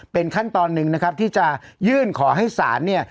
เป็นขั้นตอนหนึ่งนะครับที่จะยื่นขอให้ศาลเนี่ย